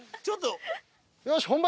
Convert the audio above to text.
ちょっと。